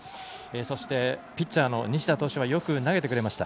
そして、ピッチャーの西田投手はよく投げてくれました。